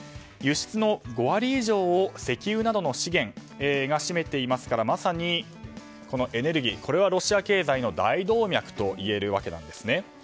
輸出の５割以上を石油などの資源が占めていますがまさにエネルギーはロシア経済の大動脈といえるわけです。